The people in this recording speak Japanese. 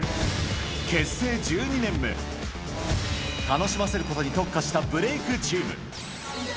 結成１２年目、楽しませることに特化した、ブレイクチーム。